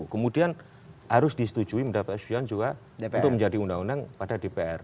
kemudian harus disetujui mendapat asuran juga untuk menjadi undang undang pada dpr